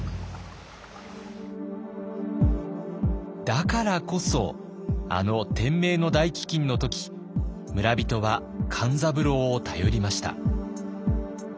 だからこそあの天明の大飢饉の時村人は勘三郎を頼りました。